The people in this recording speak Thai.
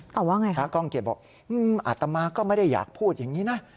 แต่ว่าไงคะพระก้องเกียจบอกอัตมาก็ไม่ได้อยากพูดอย่างนี้นะ